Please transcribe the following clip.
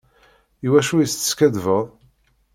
Iwacu i s-teskaddbeḍ?